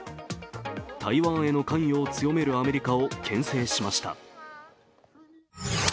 台湾への関与を強めるアメリカをけん制しました。